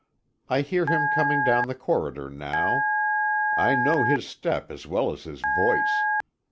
I hear him coming down the corridor now. I know his step as well as his voice.